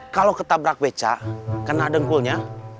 kalau ketabrak beca kena dengkulnya